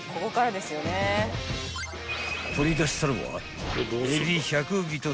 ［取り出したのは］